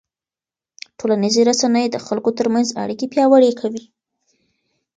ټولنیزې رسنۍ د خلکو ترمنځ اړیکې پیاوړې کوي.